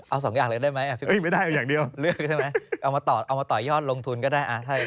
เอาสองอย่างเลยได้ไหม